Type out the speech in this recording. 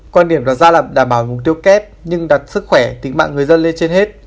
quan điểm đặt ra là đảm bảo mục tiêu kép nhưng đặt sức khỏe tính mạng người dân lên trên hết